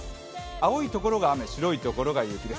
青いところが雨、白いところが雪です。